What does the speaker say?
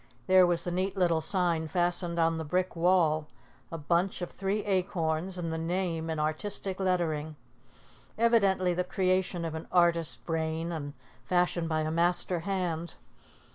There was the neat little sign fastened on the brick wall, a bunch of three acorns and the name in artistic lettering, evidently the creation of an artist brain and fashioned by a master hand.